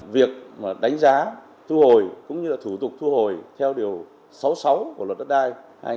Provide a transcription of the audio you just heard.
việc đánh giá thu hồi cũng như là thủ tục thu hồi theo điều sáu mươi sáu của luật đất đai hai nghìn hai mươi ba